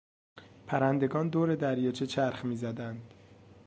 پرندگان دور دریاچه چرخ میزدند.